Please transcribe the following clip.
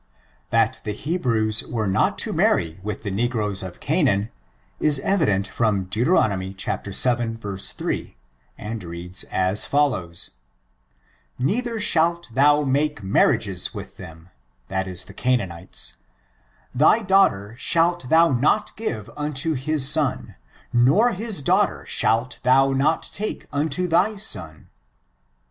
That the Hebrews were not to marry with the ne groes of Canaan, is evident from Deut. vii, 3, and reads as follows: '< Neither shalt thou make mar riages with them (the Canaanites) : thy daughter shalt thou ^ot give unto his son, nor his daughter shalt thou not take unto thy son."